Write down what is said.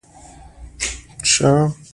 همدارنګه دا اړیکې د توکو په مصرف پورې اړه لري.